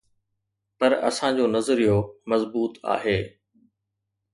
پر اسان جو نظريو مضبوط آهي.